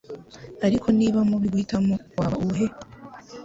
Ariko niba mubi guhitamo, waba uwuhe?